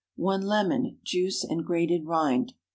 1 lemon—juice and grated rind.